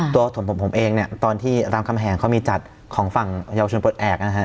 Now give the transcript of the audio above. ต่อสมมติของผมเองตอนที่รามคำแหงเขามีจัดของฝั่งเยาวชนปลดแอก